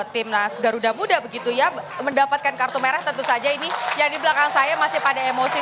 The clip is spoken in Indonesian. timnas garuda muda begitu ya mendapatkan kartu merah tentu saja ini yang di belakang saya masih pada emosi